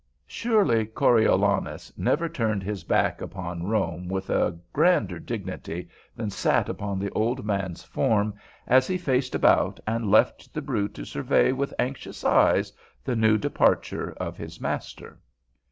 Surely Coriolanus never turned his back upon Rome with a grander dignity than sat upon the old man's form as he faced about and left the brute to survey with anxious eyes the new departure of his master.